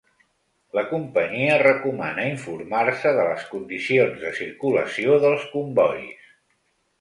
La companyia recomana informar-se de les condicions de circulació dels combois.